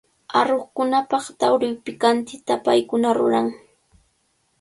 Aruqkunapaq tarwi pikantita paykuna ruran.